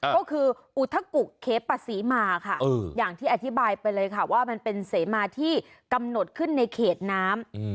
ก็คืออุทธกุเคปะศรีมาค่ะอย่างที่อธิบายไปเลยค่ะว่ามันเป็นเสมาที่กำหนดขึ้นในเขตน้ำ